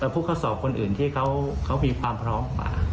ผู้เข้าสอบคนอื่นที่เขามีความพร้อมกว่า